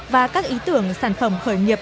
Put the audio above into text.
và các ý tưởng sản phẩm khởi nghiệp